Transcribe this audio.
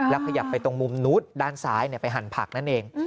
ขยับไปตรงมุมนู้นด้านซ้ายไปหั่นผักนั่นเอง